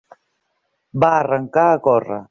Va arrencar a córrer.